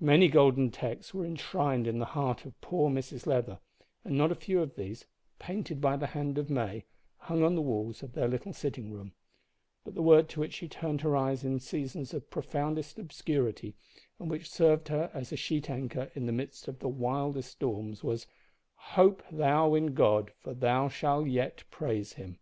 Many golden texts were enshrined in the heart of poor Mrs Leather, and not a few of these painted by the hand of May hung on the walls of their little sitting room, but the word to which she turned her eyes in seasons of profoundest obscurity, and which served her as a sheet anchor in the midst of the wildest storms, was, "Hope thou in God, for thou shalt yet praise Him."